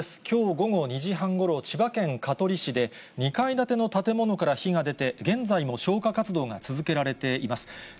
きょう午後２時半ごろ、千葉県香取市で、２階建ての建物から火が出て、現在も消火活動が続けられています。